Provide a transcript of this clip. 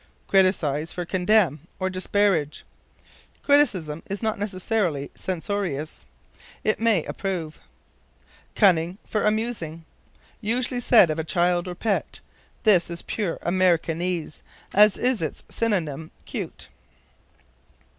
Criticise for Condemn, or Disparage. Criticism is not necessarily censorious; it may approve. Cunning for Amusing. Usually said of a child, or pet. This is pure Americanese, as is its synonym, "cute."